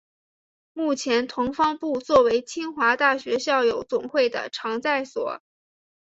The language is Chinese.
目前同方部作为清华大学校友总会的所在处。